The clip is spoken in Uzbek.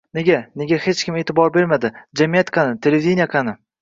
–“Nega!? Nega hech kim e’tibor bermadi!? Jamiyat qani, televideniye qani!?”